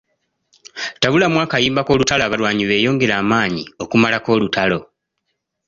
Tabulamu akayimba k’olutalo abalwanyi beyongere amaanyi okumalako olutalo.